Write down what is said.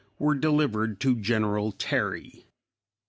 were delivered to General Terry.